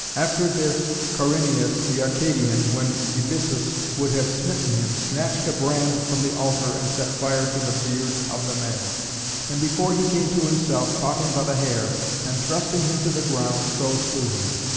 After this Coryneüs the Arcadian, when Ebysus would have smitten him, snatched a brand from the altar and set fire to the beard of the man, and, before he came to himself, caught him by the hair, and thrusting him to the ground, so slew him.